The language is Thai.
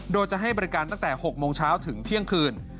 โดยจะให้บริการตั้งแต่๖โมงเช้าถึงเที่ยงคืน